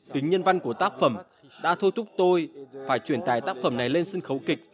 tính nhân văn của tác phẩm đã thôi thúc tôi phải chuyển tài tác phẩm này lên sân khấu kịch